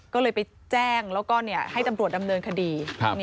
ก็เลยไปแจ้งแล้วก็ให้ตำรวจดำเนินคดี